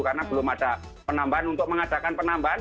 karena belum ada penambahan untuk mengadakan penambahan